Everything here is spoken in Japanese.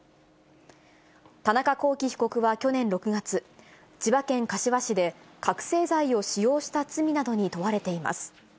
田中聖被告は去年６月、千葉県柏市で覚醒剤を使用した罪などに問われています。